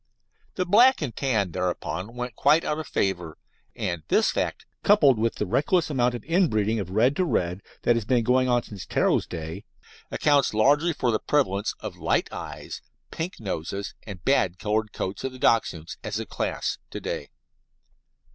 The black and tan thereupon went quite out of favour, and this fact, coupled with the reckless amount of inbreeding of red to red that has been going on since Ptero's day, accounts largely for the prevalence of light eyes, pink noses, and bad coloured coats of the Dachshunds, as a class, to day.